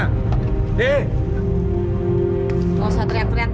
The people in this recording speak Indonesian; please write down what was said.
gak usah teriak teriak